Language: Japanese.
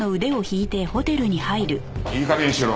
いい加減にしろ。